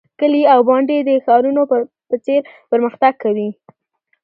کلي او بانډې د ښارونو په څیر پرمختګ کوي.